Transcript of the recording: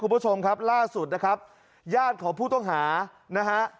คุณผู้ชมครับล่าสุดนะครับญาติของผู้ต้องหานะฮะ